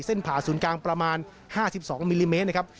เส้นผาศูนย์กลางประมาณ๕๒มิลลิเมตร